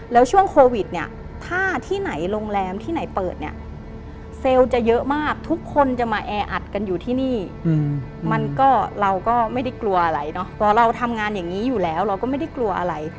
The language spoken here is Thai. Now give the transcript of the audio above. แล้วช่วงโควิดเนี่ยถ้าที่ไหนโรงแรมที่ไหนเปิดเนี่ยเซลจะเยอะมากทุกคนจะมาแออัดกันอยู่ที่นี่มันก็เราก็ไม่ได้กลัวอะไรเนาะ